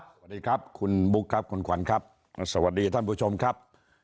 สวัสดีครับคุณบุ๊คครับคุณขวัญครับสวัสดีท่านผู้ชมครับ